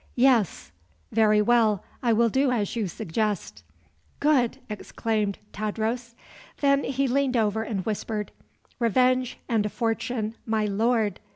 "Yes." "Very well; I will do as you suggest." "Good!" exclaimed Tadros. Then he leaned over and whispered: "Revenge and a fortune, my lord!